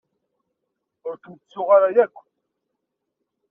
Ur kem-ttuɣ ara akk.